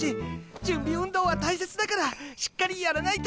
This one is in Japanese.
準備運動は大切だからしっかりやらないと。